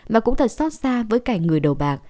mà cũng thật xót xa với cảnh người đầu bạc